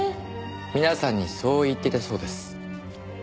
皆さんにそう言っていたそうです。